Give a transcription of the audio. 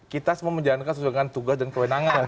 kita semua menjalankan sesuaikan tugas dan kewenangan